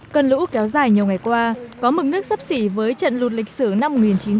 cơn lũ kéo dài nhiều ngày qua có mực nước sắp xỉ với trận lụt lịch sử năm một nghìn chín trăm chín mươi chín